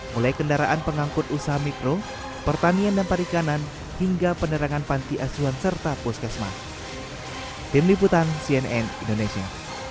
mulai kendaraan pengangkut usaha mikro pertanian dan pari kanan hingga penderangan panti asuhan serta puskesma